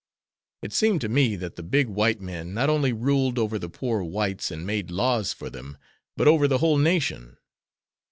It seemed to me that the big white men not only ruled over the poor whites and made laws for them, but over the whole nation."